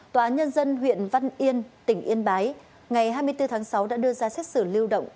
tòa nhân dân huyện văn yên tỉnh yên bái ngày hai mươi bốn tháng sáu đã đưa ra xét xử lưu động